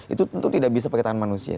itu tentu tidak bisa pakai tangan manusia